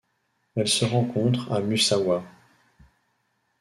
Elle se rencontre à Musawas.